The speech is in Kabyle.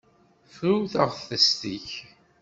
Fru taɣtest-ik.